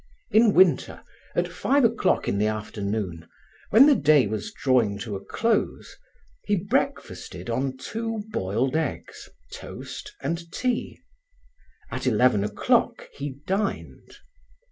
In winter, at five o'clock in the afternoon, when the day was drawing to a close, he breakfasted on two boiled eggs, toast and tea. At eleven o'clock he dined.